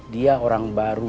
dia orang baru